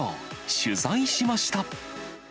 取材しました。